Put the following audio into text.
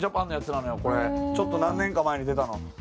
ちょっと何年か前に出たの。